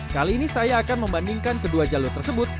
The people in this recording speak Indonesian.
kali ini saya akan membandingkan kedua jalur tersebut